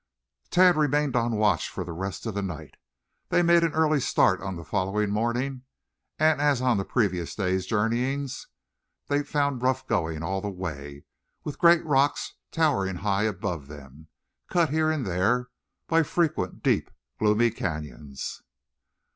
Tad remained on watch for the rest of the night. They made an early start on the following morning, and, as on the previous day's journeyings, they found rough going all the way, with great rocks towering high above them, cut here and there by frequent deep, gloomy canyons.